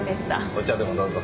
お茶でもどうぞ。